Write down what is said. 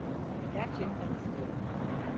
Gerçekten istiyorum.